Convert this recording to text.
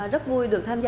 rất vui được tham gia